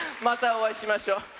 またおあいしましょ。